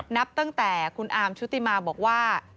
นับตั้งแต่คุณอาร์มชุติมาบอกว่า